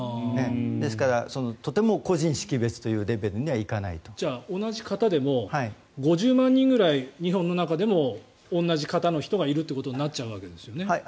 ですから、とても個人識別というレベルにはいかないと。じゃあ、同じ型でも５０万人ぐらい日本の中でも同じ型の人がいるということになっちゃうわけですよね。